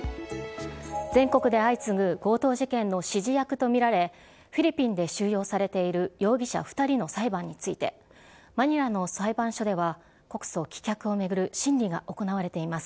全国で相次ぐ強盗事件の指示役と見られ、フィリピンで収容されている容疑者２人の裁判について、マニラの裁判所では、告訴棄却を巡る審理が行われています。